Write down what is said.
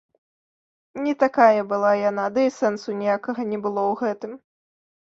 Не такая была яна, ды і сэнсу ніякага не было ў гэтым.